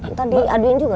ntar diaduin juga